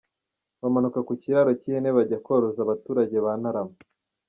Bamanuka ku kiraro cy'ihene bajya koroza abaturage ba Ntarama.